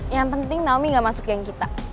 yang penting naomi nggak masuk geng kita